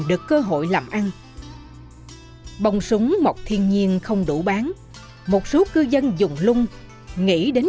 được cơ hội làm ăn bong súng mọc thiên nhiên không đủ bán một số cư dân dùng lung nghĩ đến